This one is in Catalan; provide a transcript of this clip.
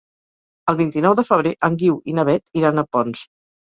El vint-i-nou de febrer en Guiu i na Beth iran a Ponts.